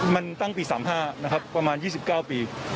มันตั้งปี๓๕ประมาณ๒๙ปี